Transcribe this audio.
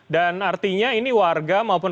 dan artinya ini warga maupun